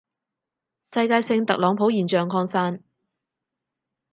世界性特朗普現象擴散